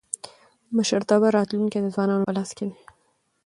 د مشرتابه راتلونکی د ځوانانو په لاس کي دی.